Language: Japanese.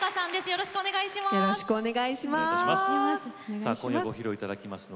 よろしくお願いします。